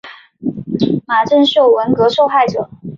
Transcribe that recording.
马正秀文革受害者。